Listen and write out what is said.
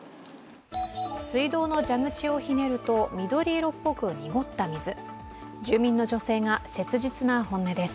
水道の蛇口をひねると緑色っぽく濁った水、住民の女性が切実な本音です。